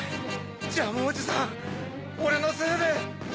ジャムおじさんおれのせいで。